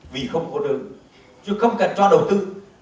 vì không có đường chứ không cần cho đầu tư